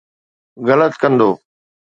غلط ڪندو.